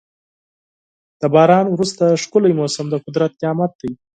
د باران وروسته ښکلی موسم د قدرت نعمت دی.